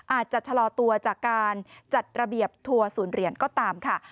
อาจจะชะลอตัวจากการจัดระเบียบทัวร์ศูนย์เหรียญก็ตามค่ะ